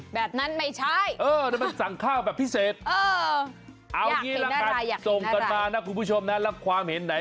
แบบนั้นไม่ใช่